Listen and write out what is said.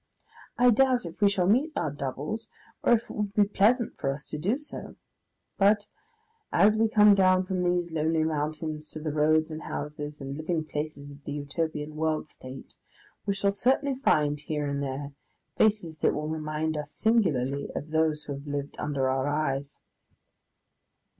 I doubt if we shall meet our doubles, or if it would be pleasant for us to do so; but as we come down from these lonely mountains to the roads and houses and living places of the Utopian world state, we shall certainly find, here and there, faces that will remind us singularly of those who have lived under our eyes.